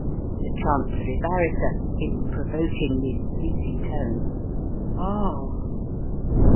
The Chancery Barrister (in provokingly sleepy tone): "Ah!"